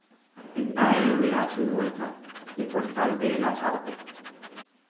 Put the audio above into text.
Entra en Elvira Zulueta y Portal de Lasarte.